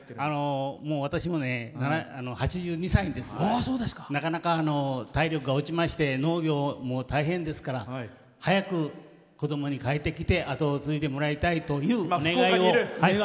私も８２歳ですからなかなか体力が落ちまして農業も大変ですから早く子供に帰ってきてもらって後を継いでもらいたいという。